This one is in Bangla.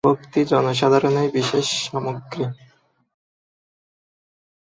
ভক্তি জনসাধারণেরই বিশেষ সামগ্রী।